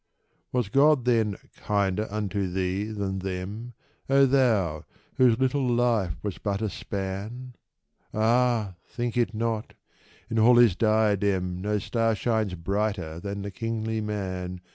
Was God, then, kinder unto thee than them, O thou whose little life was but a span ?— Ah, think it not ! In all his diadem No star shines brighter than the kingly man.